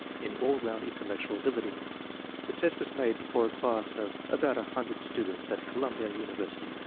in all round intellectual ability. The test was made before a class of about a hundred students at Columbia University.